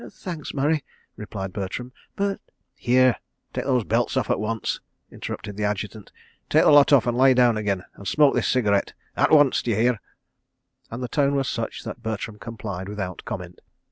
..." "Thanks, Murray," replied Bertram, "but—" "Here—take those belts off at once," interrupted the Adjutant. "Take the lot off and lie down again—and smoke this cigarette. ... At once, d'ye hear?" and the tone was such that Bertram complied without comment.